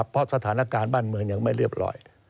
เพราะสถานการณ์บ้านเมืองยังไม่เรียบร้อย